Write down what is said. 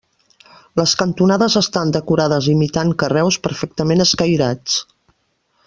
Les cantonades estan decorades imitant carreus perfectament escairats.